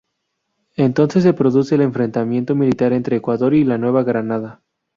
Entonces se produce el enfrentamiento militar entre el Ecuador y la Nueva Granada.